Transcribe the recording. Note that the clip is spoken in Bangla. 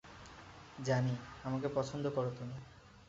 জানি, আমাকে পছন্দ করো তুমি!